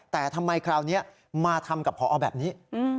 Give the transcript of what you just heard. แต่ทำไมคราวนี้มาทำกับพอแบบนี้